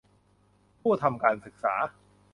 ผู้ทำการศึกษา